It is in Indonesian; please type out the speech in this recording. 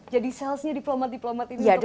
jadi salesnya diplomat diplomat itu menjalankan itu